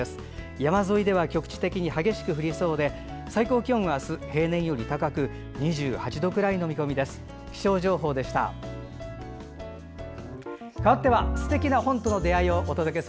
山沿いでは局地的に激しく降りそうで最高気温はあす、平年より高く２８度くらいの見込みです。